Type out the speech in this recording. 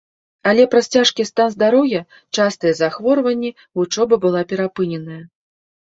Але праз цяжкі стан здароўя, частыя захворванні вучоба была перапыненая.